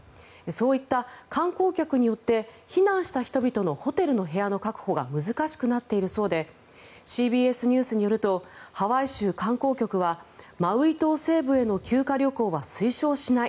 そういった観光客によって避難した人々のホテルの部屋の確保が難しくなっているそうでＣＢＳニュースによるとハワイ州観光局はマウイ島西部への休暇旅行は推奨しない